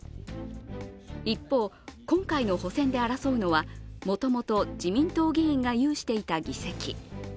一方、今回の補選で争うのはもともと自民党議員が有していた議席。